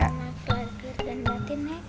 maafin lahir dan batin nek